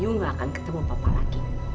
you gak akan ketemu papa lagi